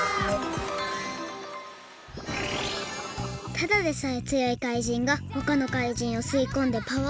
ただでさえつよいかいじんがほかのかいじんをすいこんでパワーアップ！？